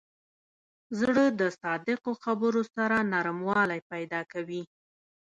زړه د صادقو خبرو سره نرموالی پیدا کوي.